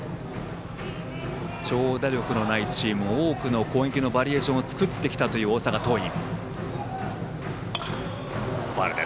長打力のないチームなので多くの攻撃バリエーションを作ってきたという大阪桐蔭。